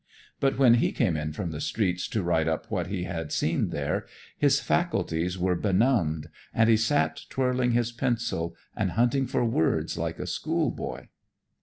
But when he came in from the streets to write up what he had seen there, his faculties were benumbed, and he sat twirling his pencil and hunting for words like a schoolboy.